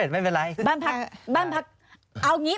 ไม่เป็นไร